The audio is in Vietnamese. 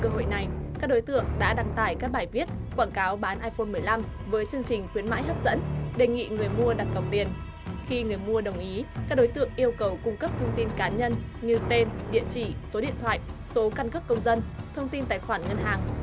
hội đồng đã lợi dụng số căn cấp công dân thông tin tài khoản ngân hàng